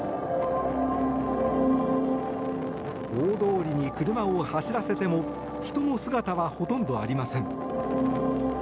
大通りに車を走らせても人の姿はほとんどありません。